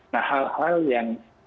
nah hal hal yang